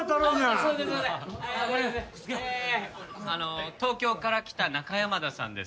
あの東京から来た中山田さんです。